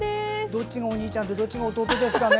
どっちがお兄ちゃんでどっちが弟ですかね。